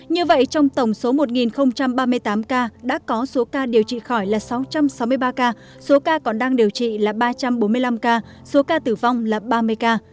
như vậy trong tổng số một ba mươi tám ca đã có số ca điều trị khỏi là sáu trăm sáu mươi ba ca số ca còn đang điều trị là ba trăm bốn mươi năm ca số ca tử vong là ba mươi ca